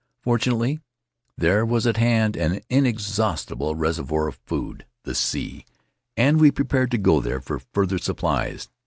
Fortunately there was at hand an inexhaustible reser voir of food — the sea — and we prepared to go there for further supplies.